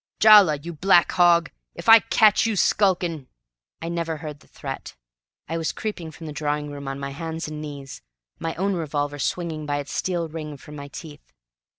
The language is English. Jala, you black hog, if I catch YOU skulkin'...." I never heard the threat. I was creeping from the drawing room on my hands and knees, my own revolver swinging by its steel ring from my teeth.